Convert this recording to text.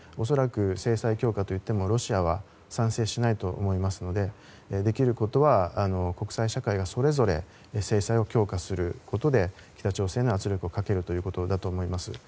恐らく、制裁強化といってもロシアは賛成しないと思いますのでできることは国際社会がそれぞれ制裁を強化することで北朝鮮に圧力をかけるということだと思います。